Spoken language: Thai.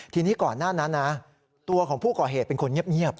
ทีนี้ก่อนหน้านั้นนะตัวของผู้ก่อเหตุเป็นคนเงียบ